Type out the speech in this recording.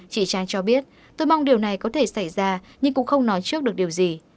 chị trang cho biết tôi mong điều này có thể xảy ra nhưng cũng không nói trước được điều gì